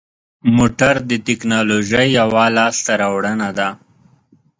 موټر د تکنالوژۍ یوه لاسته راوړنه ده.